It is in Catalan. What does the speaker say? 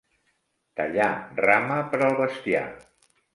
Tallar rama per al bestiar.